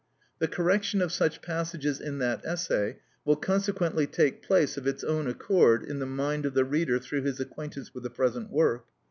The correction of such passages in that essay will consequently take place of its own accord in the mind of the reader through his acquaintance with the present work.